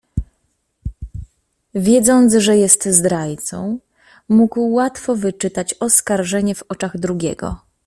"Wiedząc, że jest zdrajcą, mógł łatwo wyczytać oskarżenie w oczach drugiego."